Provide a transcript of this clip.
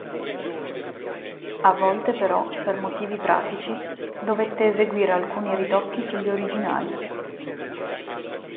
A volte, però, per motivi pratici dovette eseguire alcuni ritocchi sugli originali.